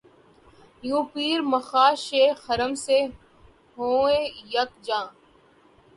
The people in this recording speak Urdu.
یوں پیر مغاں شیخ حرم سے ہوئے یک جاں